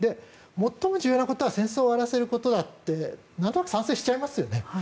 最も重要なことは戦争を終わらせることだってなんとなく賛成しちゃいますよね。